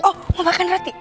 oh mau makan roti